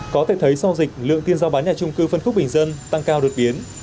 có thể thấy sau dịch lượng tiền giao bán nhà trung cư phân khúc bình dân tăng cao đột biến